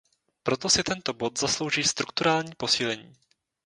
Proto si tento bod zaslouží strukturální posílení.